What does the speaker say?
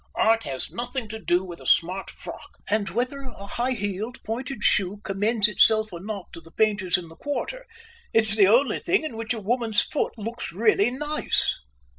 Art has nothing to do with a smart frock, and whether a high heeled pointed shoe commends itself or not to the painters in the quarter, it's the only thing in which a woman's foot looks really nice."